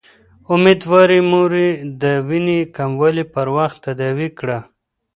اميدوارې مورې، د وينې کموالی پر وخت تداوي کړه